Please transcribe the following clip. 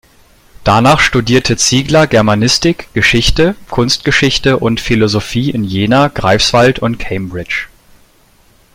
Danach studierte Ziegler Germanistik, Geschichte, Kunstgeschichte und Philosophie in Jena, Greifswald und Cambridge.